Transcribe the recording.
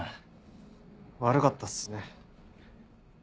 悪かったっすね。